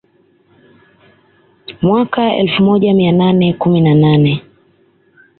Mwaka elfu moja mia nane kumi na nane